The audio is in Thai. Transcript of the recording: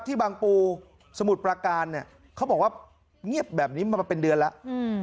บางปูสมุทรประการเนี่ยเขาบอกว่าเงียบแบบนี้มาเป็นเดือนแล้ว